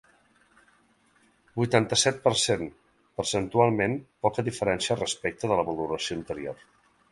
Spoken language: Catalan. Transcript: Vuitanta-set per cent Percentualment, poca diferència respecte de la valoració anterior.